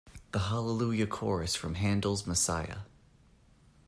The Hallelujah Chorus from Handel's Messiah.